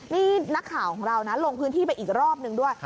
นี่นักข่าวของเรานะลงพื้นที่ไปอีกรอบนึงด้วย